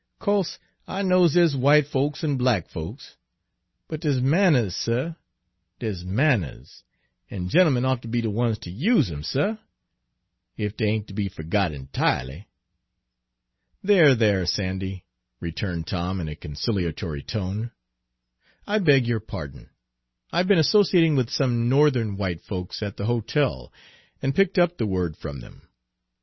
Co'se I knows dere's w'ite folks an' black folks, but dere's manners, suh, dere's manners, an' gent'emen oughter be de ones ter use 'em, suh, ef dey ain't ter be fergot enti'ely!" "There, there, Sandy," returned Tom in a conciliatory tone, "I beg your pardon! I've been associating with some Northern white folks at the hotel, and picked up the word from them.